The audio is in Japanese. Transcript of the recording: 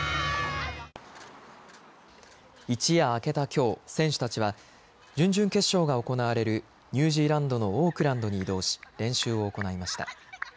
一夜明けたきょう、選手たちは準々決勝が行われるニュージーランドのオークランドに移動し練習を行いました。